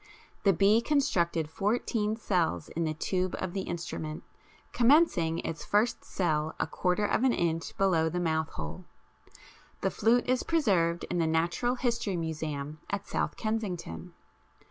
The bee constructed fourteen cells in the tube of the instrument, commencing its first cell a quarter of an inch below the mouthhole. The flute is preserved in the Natural History Museum at South Kensington.